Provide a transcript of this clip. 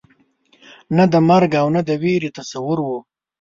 نه د مرګ او نه د وېرې تصور وو.